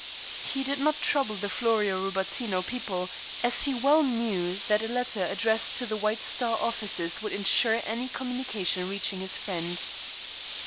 He did not trouble the Florio Rubattino people, as he well knew that a letter addressed to the White Star offices would insure any communication reaching his friend.